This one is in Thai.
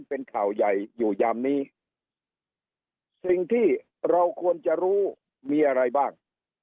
เป็นข่าวใหญ่อยู่ยามนี้สิ่งที่เราควรจะรู้มีอะไรบ้าง